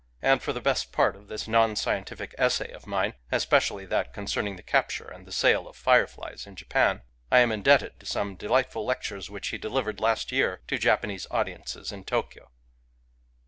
And for the best part of this non scientific essay of mine, — especially that concerning the capture and the sale of fireflies in Japan, — I am indebted to some delightful lectures which he delivered last year to Japanese audiences in Tokyo.